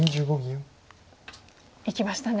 いきましたね。